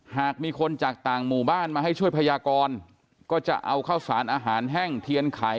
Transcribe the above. หากมีคนจากต่างหมู่บ้านมาให้ช่วยพยากรก็จะเอาข้าวสารอาหารแห้งเทียนไข่